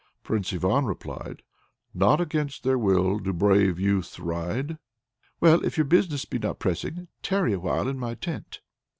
Prince Ivan replied, "Not against their will do brave youths ride!" "Well, if your business be not pressing, tarry awhile in my tent."